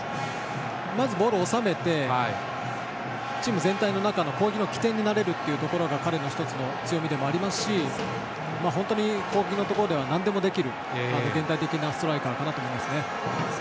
まずボールを収めてチーム全体の中の攻撃の起点になれるところが彼の１つの強みでもありますし攻撃のところではなんでもできる現代的なストライカーだと思います。